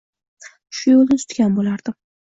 shu yoʻlni tutgan boʻlardim